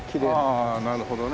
ああなるほどね。